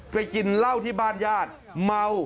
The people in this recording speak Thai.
กินเหล้าที่บ้านญาติเมา